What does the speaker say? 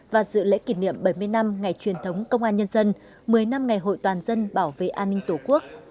và dự lễ kỷ niệm bảy mươi năm ngày truyền thống công an nhân dân một mươi năm ngày hội toàn dân bảo vệ an ninh tổ quốc